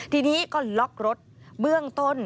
ทีนี้ก็ล็อกรถเบื้องต้น